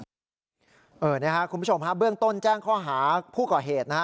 นี่ค่ะคุณผู้ชมฮะเบื้องต้นแจ้งข้อหาผู้ก่อเหตุนะฮะ